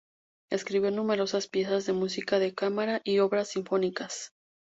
Escribió numerosas piezas de música de cámara y obras sinfónicas.